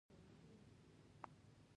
دوی وايي زړه مو وسوځېد او مرستې ته راغلو